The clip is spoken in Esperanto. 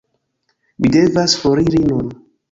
Mi devas foriri nun